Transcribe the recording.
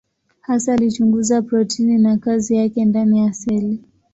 Hasa alichunguza protini na kazi yake ndani ya seli.